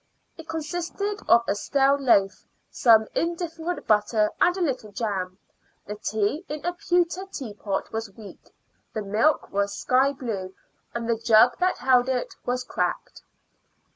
It consisted of a stale loaf, some indifferent butter, and a little jam. The tea, in a pewter teapot, was weak; the milk was sky blue, and the jug that held it was cracked.